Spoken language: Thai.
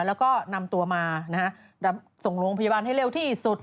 แล้วก็นำตัวมาส่งโรงพยาบาลให้เร็วที่สุด